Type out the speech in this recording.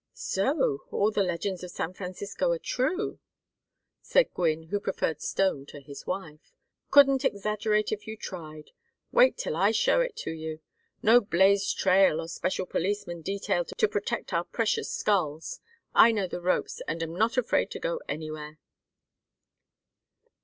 "So all the legends of San Francisco are true?" said Gwynne, who preferred Stone to his wife. "Couldn't exaggerate if you tried. Wait till I show it to you. No blazed trail nor special policeman detailed to protect our precious skulls. I know the ropes and am not afraid to go anywhere."